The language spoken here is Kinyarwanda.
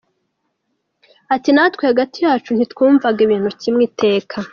Ati natwe hagati yacu nti twumvaga ibintu kimwe iteka.